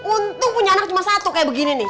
untung punya anak cuma satu kayak begini nih